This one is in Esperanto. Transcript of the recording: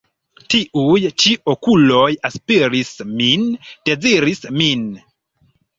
Tiuj ĉi okuloj aspiris min, deziris min.